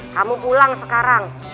kamu pulang sekarang